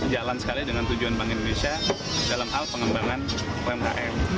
jalan sekali dengan tujuan bank indonesia dalam hal pengembangan umkm